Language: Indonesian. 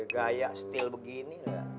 gaya stil begini